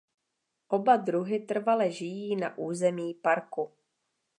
Oba druhy trvale žijí na území parku.